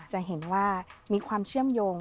จะเห็นว่ามีความเชื่อมโยง